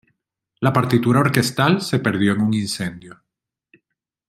La partitura orquestal se perdió en un incendio.